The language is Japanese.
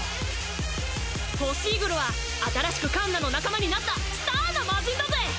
ホシーグルは新しくカンナの仲間になったスターなマジンだぜ！